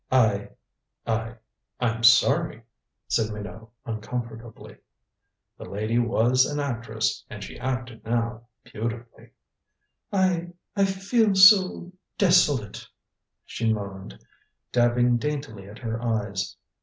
"I I I'm sorry," said Minot uncomfortably. The lady was an actress, and she acted now, beautifully. "I I feel so desolate," she moaned, dabbing daintily at her eyes.